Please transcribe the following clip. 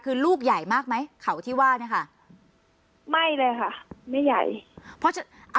คือลูกใหญ่มากไหมเขาที่ว่าเนี่ยค่ะไม่เลยค่ะไม่ใหญ่เพราะฉะนั้นอ่า